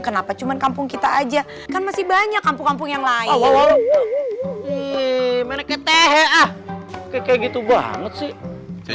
kenapa cuman kampung kita aja kan masih banyak kampung kampung yang lain kayak gitu banget sih